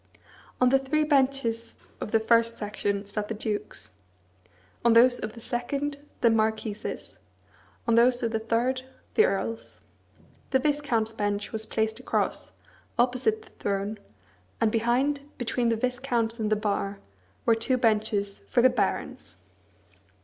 On the three benches of the first section sat the dukes; on those of the second, the marquises; on those of the third, the earls. The viscounts' bench was placed across, opposite the throne, and behind, between the viscounts and the bar, were two benches for the barons.